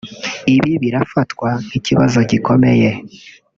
Ibi birafatwa nk’ikibazo gikomeye